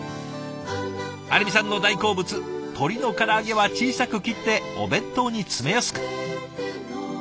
有美さんの大好物鶏のから揚げは小さく切ってお弁当に詰めやすく。